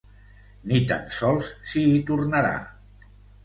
Ni tan sols si hi tornarà.